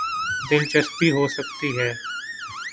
دلچسپی ہو سکتی ہے۔